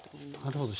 なるほど。